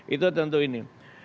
itu tentu ini